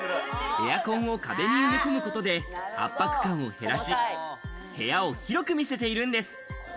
エアコンを壁に埋め込むことで圧迫感を減らし、部屋を広く見せているんです。